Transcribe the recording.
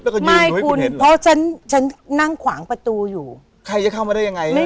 แล้วก็ยืนอยู่ให้คุณเห็นเหรอ